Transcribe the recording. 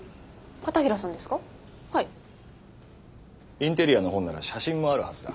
インテリアの本なら写真もあるはずだ。